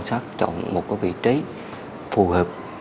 các thông tin có giá trị